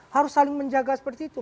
harus saling menjaga seperti itu